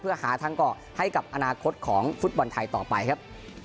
เพื่อหาทางเกาะให้กับอนาคตของฟุตบอลไทยต่อไปครับ